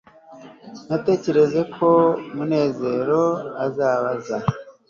natekereje ko munezero azabaza